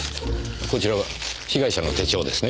こちらは被害者の手帳ですね？